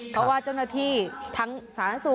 เพราะว่าเจ้าหน้าที่ทั้งสาธารณสุข